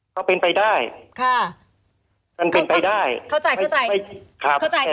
ก็เป็นไปได้ค่ะมันเป็นไปได้เข้าใจเข้าใจ